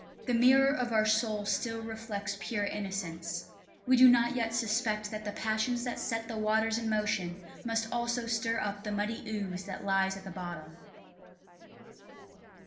The mirror of our soul still reflects pure innocence; we do not yet suspect that the passions that set the waters in motion must also stir up the muddy ooze that lies at the bottom.